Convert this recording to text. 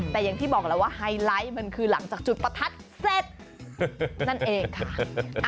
แต่อย่างที่บอกแล้วว่าไฮไลท์มันคือหลังจากจุดประทัดเสร็จนั่นเองค่ะ